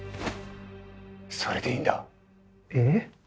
それでいいんだ。え？